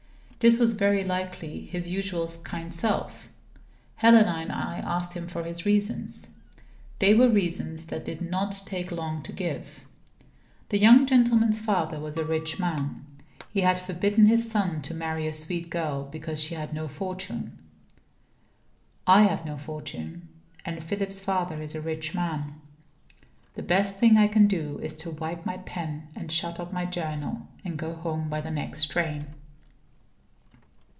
This was very unlike his usual kind self. Helena and I asked him for his reasons. They were reasons that did not take long to give. The young gentleman's father was a rich man. He had forbidden his son to marry a sweet girl because she had no fortune. I have no fortune. And Philip's father is a rich man. The best thing I can do is to wipe my pen, and shut up my Journal, and go home by the next train.